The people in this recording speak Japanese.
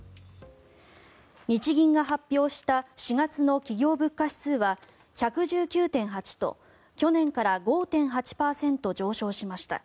日銀が発表した４月の企業物価指数は１１９．８と去年から５．８％上昇しました。